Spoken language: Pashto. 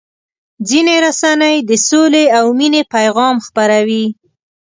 ځینې رسنۍ د سولې او مینې پیغام خپروي.